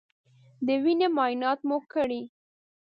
د وینې معاینات مو وکړی